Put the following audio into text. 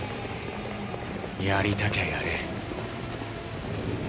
やりたきゃやれ。